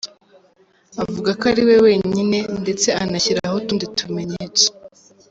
avuga ko ariwe wenyine, ndetse anashyiraho utundi tumenyetso